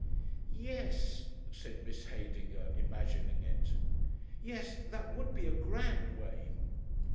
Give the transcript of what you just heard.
"Yes," said Miss Heydinger, imagining it. "Yes that would be a grand way."